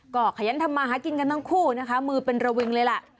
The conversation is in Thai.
ก็ขยันทำมาหากินกันทั้งคู่นะคะมือเป็นระวิงเลยล่ะ